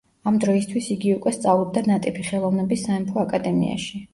ამ დროისთვის იგი უკვე სწავლობდა ნატიფი ხელოვნების სამეფო აკადემიაში.